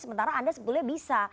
sementara anda sebetulnya bisa